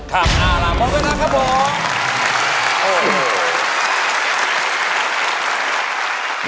ครับเอาล่ะมองกันนะครับผม